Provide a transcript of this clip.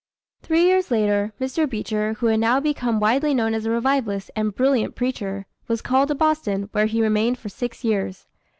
Three years later, Mr. Beecher, who had now become widely known as a revivalist and brilliant preacher, was called to Boston, where he remained for six years.